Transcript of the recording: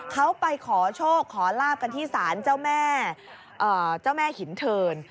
เขาไปขอโชคขอลาบกันที่สารเจ้าแม่หินเทิน